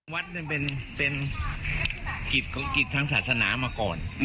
วัดเป็นกฤทธิ์ทางศาสนามาก่อน